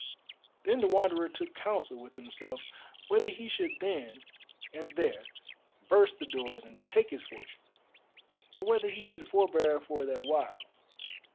Then the Wanderer took counsel with himself whether he should then and there burst the doors and take his fortune, or whether he should forbear for that while.